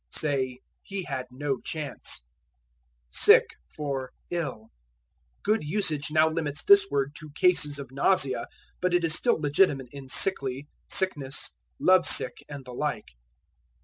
Say, He had no chance. Sick for Ill. Good usage now limits this word to cases of nausea, but it is still legitimate in sickly, sickness, love sick, and the like.